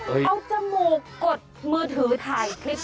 เอาจมูกกดมือถือถ่ายคลิป